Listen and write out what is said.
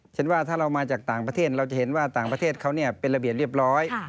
ว่าถ้าเรามาจากต่างประเทศเราจะเห็นว่าต่างประเทศเขาเป็นระเบียบเรียบร้อย